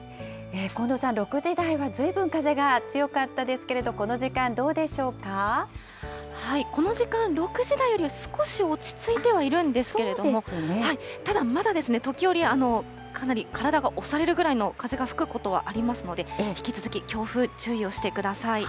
近藤さん、６時台はずいぶん風が強かったですけれど、この時間、この時間、６時台よりは少し落ち着いてはいるんですけれども、ただまだ、時折、かなり体が押されるぐらいの風が吹くことはありますので、引き続き強風に注意をしてください。